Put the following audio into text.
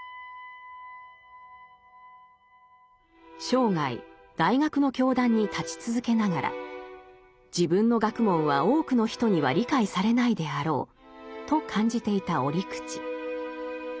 生涯大学の教壇に立ち続けながら自分の学問は多くの人には理解されないであろうと感じていた折口。